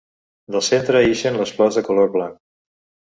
Del centre ixen les flors de color blanc.